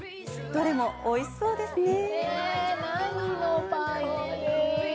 どれもおいしそうですね！